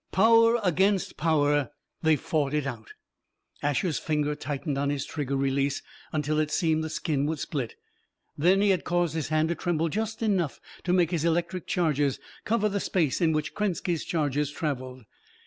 Power against power, they fought it out. Asher's finger tightened on his trigger release until it seemed the skin would split; then he caused his hand to tremble just enough to make his electric charges cover the space in which Krenski's charges traveled.